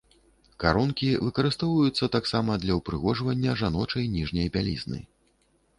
Карункі выкарыстоўваюцца таксама для ўпрыгожвання жаночай ніжняй бялізны.